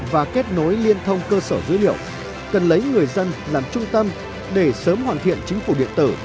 và kết nối liên thông cơ sở dữ liệu cần lấy người dân làm trung tâm để sớm hoàn thiện chính phủ điện tử